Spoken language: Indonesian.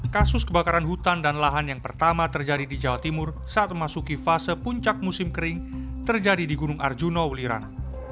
kasus kebakaran hutan dan lahan yang pertama terjadi di jawa timur saat memasuki fase puncak musim kering terjadi di gunung arjuna ulirang